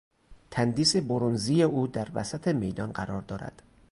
تندیس برنزی او در وسط میدان قرار دارد.